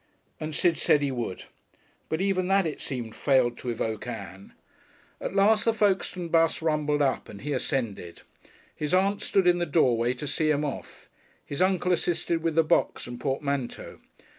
And Sid said he would. But even that, it seemed, failed to evoke Ann. At last the Folkestone bus rumbled up, and he ascended. His aunt stood in the doorway to see him off. His uncle assisted with the box and portmanteau.